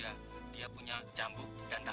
ayo balik bergeja